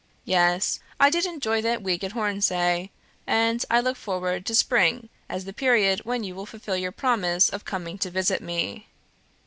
Yes; I did enjoy that week at Hornsea, and I look forward to spring as the period when you will fulfil your promise of coming to visit me.